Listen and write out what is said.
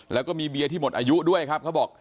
แล้วก็มีเบียร์ที่หมดอายุด้วยครับเขาบอก